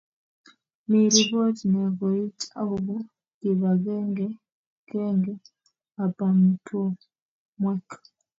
mi ripot ne koit kobun kibakengekenge ab ematunwek